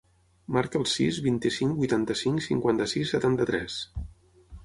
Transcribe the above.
Marca el sis, vint-i-cinc, vuitanta-cinc, cinquanta-sis, setanta-tres.